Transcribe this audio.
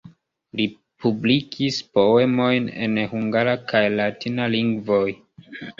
Li publikis poemojn en hungara kaj latina lingvoj.